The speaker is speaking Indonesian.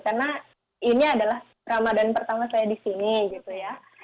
karena ini adalah ramadan pertama saya disini gitu ya